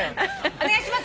お願いします